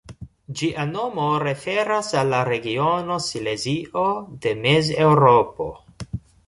Ĝia nomo referas al la regiono Silezio de Mezeŭropo.